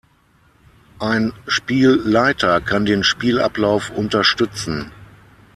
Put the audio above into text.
Ein Spielleiter kann den Spielablauf unterstützen.